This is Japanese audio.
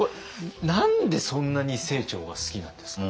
何でそんなに清張が好きなんですか？